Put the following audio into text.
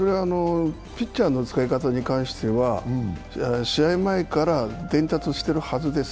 ピッチャーの使い方に関しては試合前から伝達してるはずです。